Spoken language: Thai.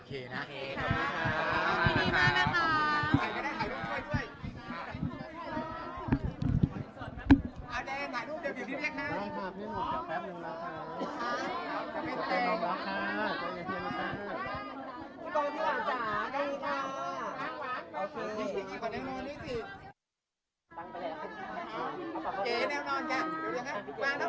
พี่ไม่ได้หยัดแล้วนะ